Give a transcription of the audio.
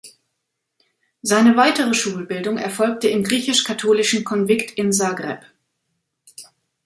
Seine weitere Schulbildung erfolgte im griechisch-katholischen Konvikt in Zagreb.